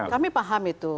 kami paham itu